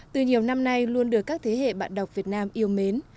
từ nhiều năm nay luôn được các thế hệ bạn đọc việt nam yêu mến